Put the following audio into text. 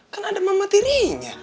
kan ada mama tirinya